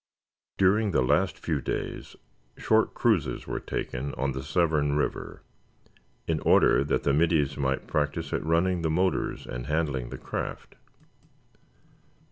During the last few days short cruises were taken on the Severn River, in order that the middies might practise at running the motors and handling the craft.